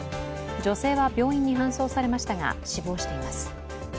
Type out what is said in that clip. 女性は病院に搬送されましたが、死亡しています。